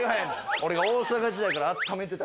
俺が大阪時代からあっためてた。